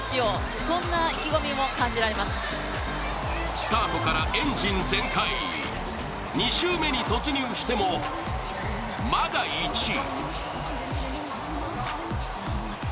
スタートからエンジン全開２周目に突入してもまだ１位。